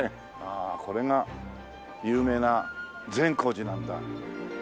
あこれが有名な善光寺なんだ。